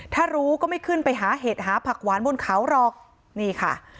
ถ้ารู้ก็ไม่ขึ้นไปหาเห็ดหาผักหวานบนเขาหรอกนี่ค่ะ